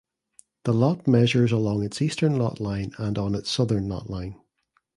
The lot measures along its eastern lot line and on its southern lot line.